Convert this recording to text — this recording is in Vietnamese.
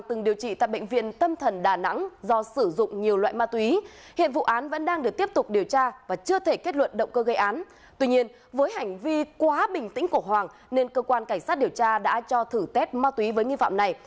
tuy nhiên với hành vi quá bình tĩnh của hoàng nên cơ quan cảnh sát điều tra đã cho thử test ma túy với nghi phạm này